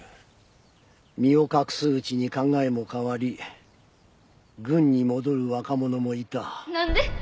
身を隠すうちに考えも変わり軍に戻る若者もいた。